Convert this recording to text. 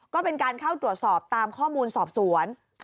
ก็เป็นการเข้าตรวจสอบตามข้อมูลสอบสวน